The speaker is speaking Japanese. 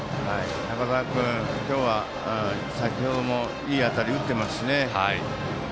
中澤君、今日は先程もいい当たり打ってますしね。